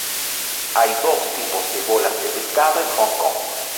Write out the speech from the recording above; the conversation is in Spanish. Hay dos tipos de bolas de pescado en Hong Kong.